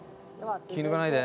気ぃ抜かないで」